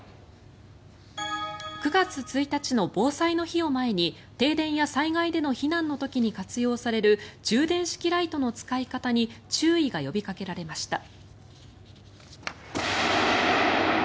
９月１日の防災の日を前に停電や災害での避難の時に活用される充電式ライトの使い方に注意が呼びかけられました。